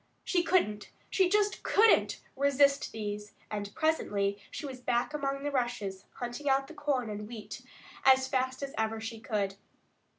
She couldn't, she just couldn't resist these, and presently she was back among the rushes, hunting out the corn and wheat as fast as ever she could.